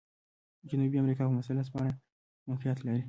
جنوبي امریکا په مثلث په بڼه موقعیت لري.